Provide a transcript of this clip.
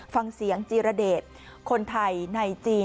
ฟังเสียงจีรเดชคนไทยในจีน